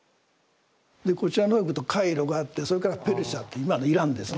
でこちらのほう行くとカイロがあってそれからペルシャって今のイランですね。